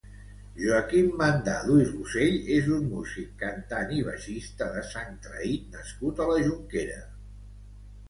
Joaquim Mandado i Rossell és un músic, cantant i baixista de Sangtraït nascut a la Jonquera.